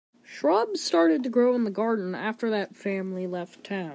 Shrubs started to grow in the garden after that family left town.